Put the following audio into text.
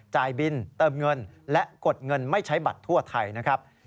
จ่ายบินเติมเงินและกดเงินไม่ใช้บัตรทั่วไทยนะครับ